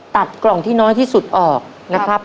ตัดกล่องที่น้อยที่สุดออกนะครับ